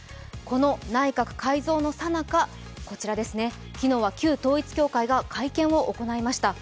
この内閣改造のさなか、こちらですね、昨日は旧統一教会が会見を行いました。